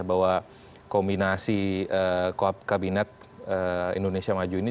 bahwa kombinasi kabinet indonesia maju ini